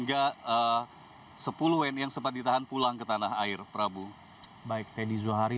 dan selesai dalam pelajaran j bodi lalu jadi rekomendasi selesai